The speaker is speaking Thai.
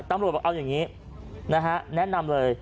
ตำรวจบอกเอาอย่างนี้นะฮะแนะนำเลย